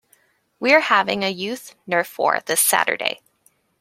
We're having a youth nerf war this Saturday.